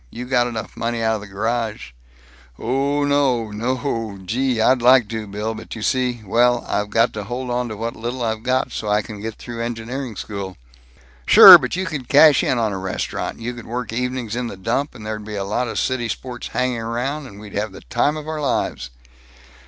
You got enough money out of the garage " "Oh no, noooo, gee, I'd like to, Bill, but you see, well, I've got to hold onto what little I've got so I can get through engineering school." "Sure, but you could cash in on a restaurant you could work evenings in the dump, and there'd be a lot of city sports hanging around, and we'd have the time of our lives."